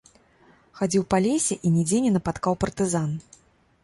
Хадзіў па лесе і нідзе не напаткаў партызан.